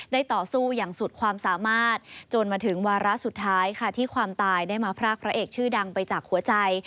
ต่อสู้อย่างสุดความสามารถจนมาถึงวาระสุดท้ายค่ะที่ความตายได้มาพรากพระเอกชื่อดังไปจากหัวใจ